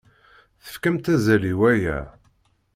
Tefkamt azal i waya.